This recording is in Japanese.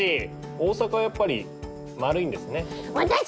大阪はやっぱり丸いんですね。